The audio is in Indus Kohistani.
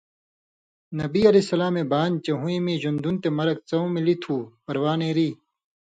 نبیؐ علیہ سلامے بانیۡ چےۡ ہُویں میں ژؤن٘دُن تے مرگ څؤں مِلیۡ تُھو (پروا نېری)۔